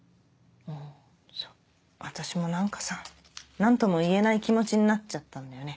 うん私も何かさ何とも言えない気持ちになっちゃったんだよね。